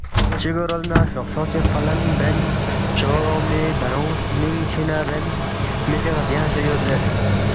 چگی رول نہ شوق شوق چی فلن بن چو اونگمی دارونگ سنینگ چھینا بین می چک غدیانگسے یود زیر